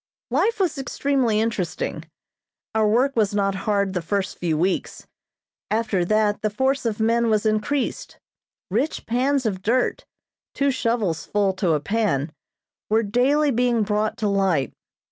Life was extremely interesting. Our work was not hard the first few weeks; after that the force of men was increased. Rich pans of dirt (two shovels full to a pan) were daily being brought to light.